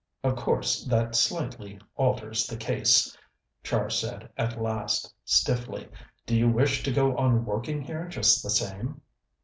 "Of course, that slightly alters the case," Char said at last, stiffly. "Do you wish to go on working here just the same?"